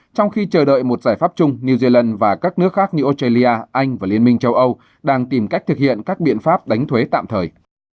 trong khi chờ đợi một giải pháp chung new zealand và các nước khác như australia anh và liên minh châu âu đang tìm cách thực hiện các biện pháp đánh thuế tạm thời